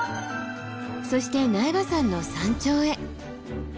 そして苗場山の山頂へ。